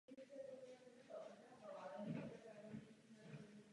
Ještě stále existuje možnost loděnice zachránit.